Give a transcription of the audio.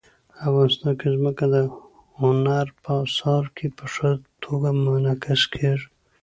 افغانستان کې ځمکه د هنر په اثار کې په ښه توګه منعکس کېږي.